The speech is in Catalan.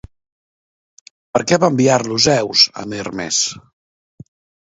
Per què va enviar-lo Zeus amb Hermes?